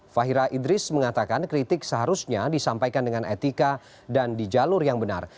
fahira idris mengatakan kritik seharusnya disampaikan dengan etika dan di jalur yang benar